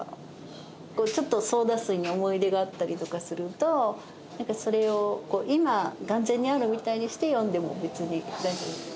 ちょっとソーダ水に思い出があったりとかするとそれを今眼前にあるみたいにして詠んでも別に大丈夫です。